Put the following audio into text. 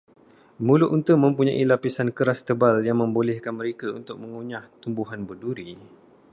Mulut unta mempunyai lapisan keras tebal, yang membolehkan mereka untuk mengunyah tumbuhan berduri.